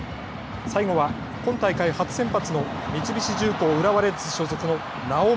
最後は今大会初先発の三菱重工浦和レッズ所属の猶本。